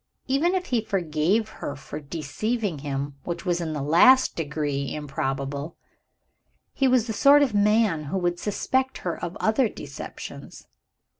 Even if he forgave her for deceiving him which was in the last degree improbable he was the sort of man who would suspect her of other deceptions.